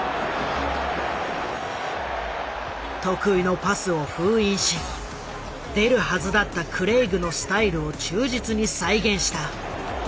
得意のパスを封印し出るはずだったクレイグのスタイルを忠実に再現した。